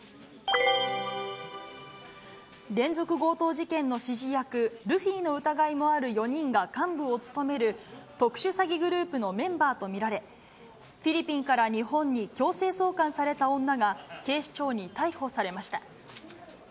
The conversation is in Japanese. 姿連続強盗事件の指示役、ルフィの疑いもある４人が幹部を務める特殊詐欺グループのメンバーと見られ、フィリピンから日本に強制送還された女が、警視庁に逮捕されました。